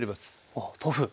おっ豆腐。